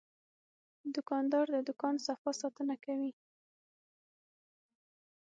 دوکاندار د دوکان صفا ساتنه کوي.